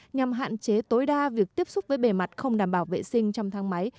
nhằm hạn chế tối đa việc tiếp xúc với bề mặt không đảm bảo vệ sinh trong thang máy